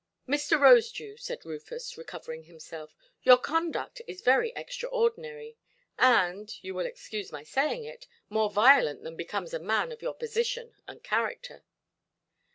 "Mr. Rosedew", said Rufus, recovering himself, "your conduct is very extraordinary; and (you will excuse my saying it) more violent than becomes a man of your position and character".